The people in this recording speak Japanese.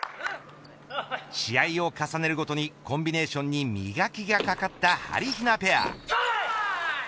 試合を重ねるごとにコンビネーションに磨きがかかったはりひなペア。